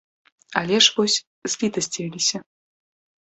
Але ж вось, злітасцівіліся.